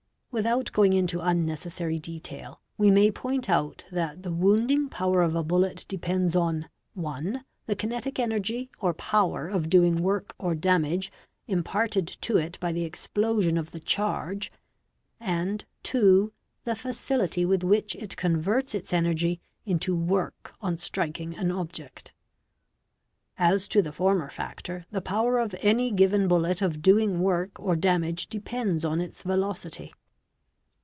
Without going into un c essary detail we may point out that the wounding power of a bullet t epends on (1) the kinetic energy, or power of doing work or damage, nparted to it by the explosion of the charge ; and (2) the facility with 636 BODILY INJURIES which it converts its energy into work on striking an object. As to the former factor the power of any given bullet of doing work or damage depends on its velocity.